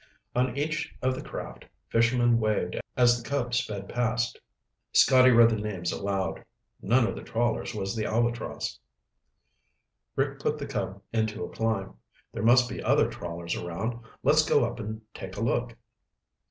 On each of the craft, fishermen waved as the Cub sped past. Scotty read the names aloud. None of the trawlers was the Albatross. Rick put the Cub into a climb. "There must be other trawlers around. Let's go up and take a look."